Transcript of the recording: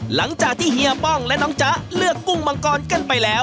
หลังจากที่เฮียป้องและน้องจ๊ะเลือกกุ้งมังกรกันไปแล้ว